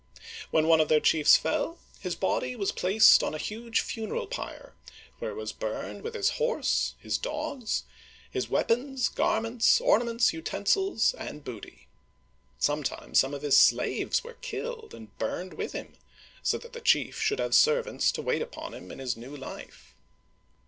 When one of their chiefs fell, his body was placed on a huge funeral pyre, where it was burned with his horse, his dogs, his weapons, garments, ornaments, utensils, and booty. Sometimes some of his slaves were killed and burned with him, so that the chief should have servants to wait upon him in his new life.